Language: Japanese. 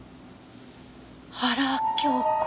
原京子？